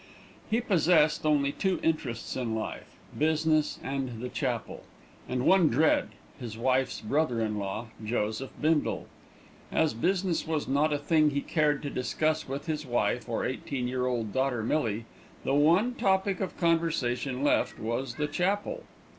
He possessed only two interests in life business and the chapel, and one dread his wife's brother in law, Joseph Bindle. As business was not a thing he cared to discuss with his wife or eighteen year old daughter, Millie, the one topic of conversation left was the chapel.